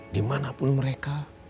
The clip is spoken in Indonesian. dimana pun mereka